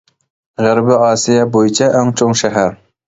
غەربىي ئاسىيا بويىچە ئەڭ چوڭ شەھەر.